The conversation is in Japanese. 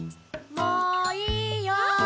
・もういいよ。